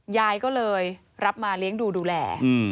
ยายก็เลยรับมาเลี้ยงดูดูแล